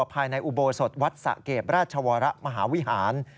ภายในอุโบสถวัดสะเกดราชวรมหาวิหาร